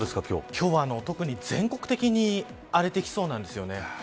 今日は特に全国的に荒れてきそうなんですよね。